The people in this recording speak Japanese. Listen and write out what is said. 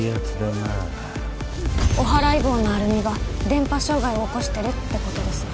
なおはらい棒のアルミが電波障害を起こしてるってことですね